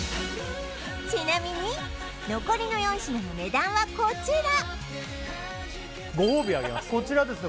ちなみに残りの４品の値段はこちらご褒美あげます